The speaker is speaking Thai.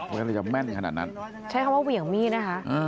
เพราะฉะนั้นจะแม่นขนาดนั้นใช้คำว่าเหวี่ยงมีดนะคะ